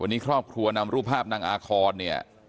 วันนี้ครอบครัวนำรูปภาพนางอาคอนเนี่ย